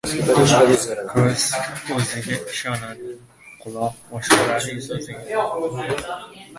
• Ko‘z o‘ziga ishonadi, quloq — boshqalarning so‘ziga.